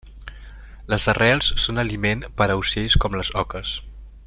Les arrels són aliment per a ocells com les oques.